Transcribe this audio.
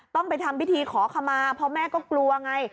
ต้องไปทำพิธีขอขมาเพราะแม่ก็กลัวไง